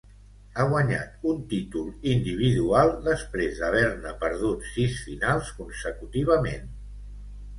Ha guanyat un títol individual després d'haver-ne perdut sis finals consecutivament.